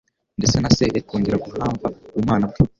ndetse na Se yari kongera guhamva ubumana bwe.